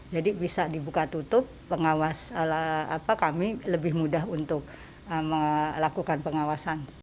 jadi bisa dibuka tutup pengawas kami lebih mudah untuk melakukan pengawasan